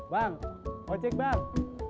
bang mau cek bang